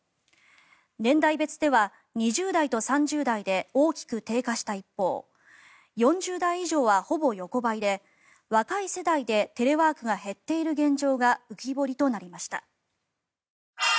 年代別では２０代と３０代で大きく低下した一方４０代以上はほぼ横ばいで若い世代でテレワークが減っている現状が浮き彫りとなりました。